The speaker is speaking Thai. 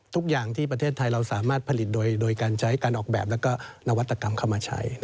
ทุกอย่างที่ประเทศไทยเราสามารถผลิตโดยการใช้การออกแบบและก็นวัตกรรมเข้ามาใช้